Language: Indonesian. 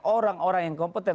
orang orang yang kompeten